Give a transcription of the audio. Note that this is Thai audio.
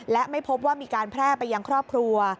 และไม่พบว่ามีการแพร่ไปยังครอบครัว